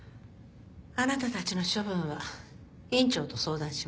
あなたたちの処分は院長と相談します。